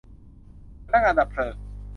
พนักงานดับเพลิง